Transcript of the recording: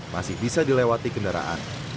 masih bisa dilewati kendaraan